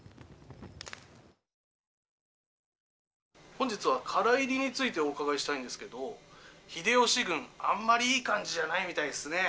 「本日は唐入りについてお伺いしたいんですけど秀吉軍あんまり良い感じじゃないみたいですね」。